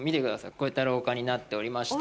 こういった廊下になっておりまして。